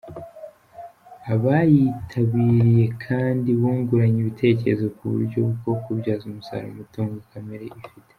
Abayitabiriye kandi bunguranye ibitekerezo ku buryo bwo kubyaza umusaruro umutungo kamere ifite.